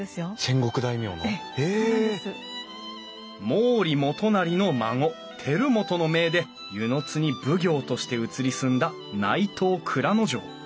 毛利元就の孫輝元の命で温泉津に奉行として移り住んだ内藤内蔵丞。